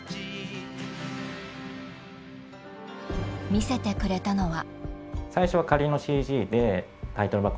見せてくれたのは。